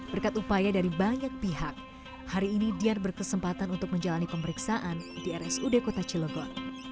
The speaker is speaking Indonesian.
berkat upaya dari banyak pihak hari ini dian berkesempatan untuk menjalani pemeriksaan di rsud kota cilegon